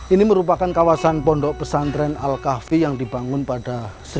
ini merupakan kawasan pondok pesantren alkafi yang dibangun pada seribu empat ratus tujuh puluh lima